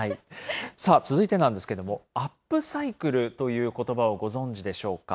さあ続いてなんですけれども、アップサイクルということばをご存じでしょうか。